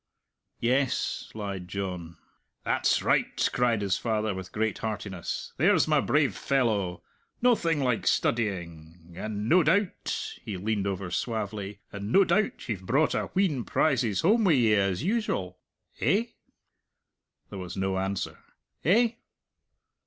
"Yes," lied John. "That's right!" cried his father with great heartiness. "There's my brave fellow! Noathing like studying!... And no doubt" he leaned over suavely "and no doubt ye've brought a wheen prizes home wi' ye as usual? Eh?" There was no answer. "Eh?"